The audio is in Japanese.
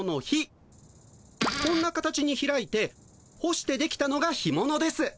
こんな形に開いて干してできたのが干ものです。